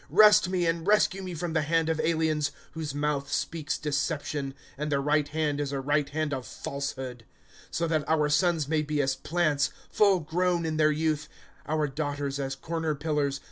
" Wrest me, and rescue me from the hand of aliens ; Whose mouth speaks deception, And their right hand is a right hand of falsehood. " So that our sons may be as plants, Full grown in their youth ; Our daughters as corner pillars.